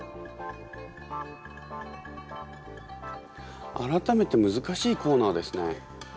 改めて難しいコーナーですね。